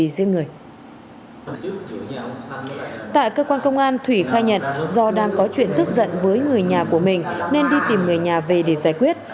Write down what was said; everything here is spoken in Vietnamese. tại cơ quan công an thủy khai nhận do đang có chuyện tức giận với người nhà của mình nên đi tìm người nhà về để giải quyết